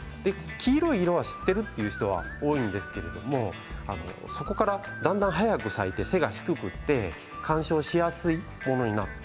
黄色い色は知っているという人は多いんですけれどそこからだんだん早く咲いて背が低くなって観賞しやすいものになった。